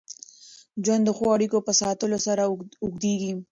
ژوند د ښو اړیکو په ساتلو سره اوږدېږي.